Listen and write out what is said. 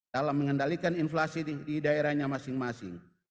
dalam mengendalikan inflasi di daerahnya masing masing